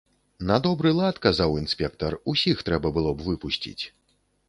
На добры лад, казаў інспектар, усіх трэба было б выпусціць.